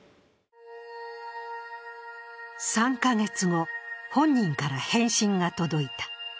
３か月後、本人から返信が届いた。